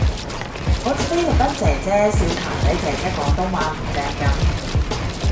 好似菲律賓姐姐笑譚仔姐姐廣東話唔正噉